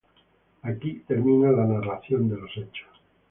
Aquí termina la narración de los hechos.